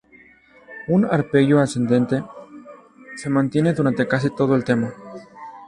Un arpegio ascendente se mantiene durante casi todo el tema.